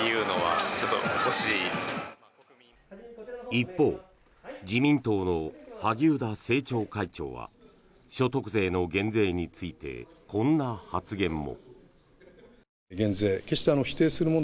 一方自民党の萩生田政調会長は所得税の減税についてこんな発言も。